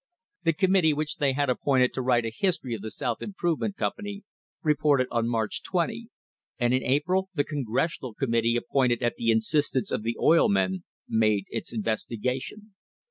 The committee which they had appointed to write a history of the South Improve ment Company reported on March 20, and in April the Congressional Committee appointed at the insistence of the oil men made its investigation.